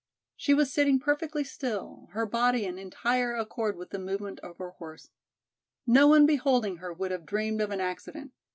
She was sitting perfectly still, her body in entire accord with the movement of her horse. No one beholding her would have dreamed of an accident.